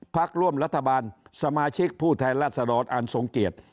ภักดิ์ร่วมรัฐบาลสมาชิกผู้ไทยรัฐศรอดอ่านสงเกียจ